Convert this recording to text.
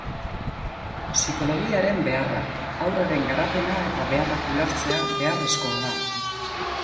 Psikologiaren beharra: haurraren garapena eta beharrak ulertzea beharrezkoa da.